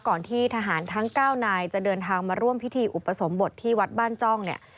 ที่ทหารทั้ง๙นายจะเดินทางมาร่วมพิธีอุปสมบทที่วัดบ้านจ้องเนี่ย